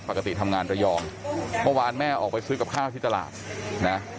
ปกติทำงานระยองเมื่อวานแม่ออกไปซื้อกับข้าวที่ตลาดนะ